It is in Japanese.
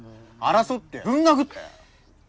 争ってぶん殴って！